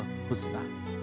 dan ketika pujian itu datang